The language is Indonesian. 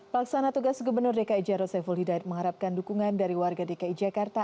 paksana tugas gubernur dki jarod saiful hidayat mengharapkan dukungan dari warga dki jakarta